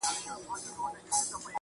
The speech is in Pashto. سوځوي چي زړه د وينو په اوبو کي_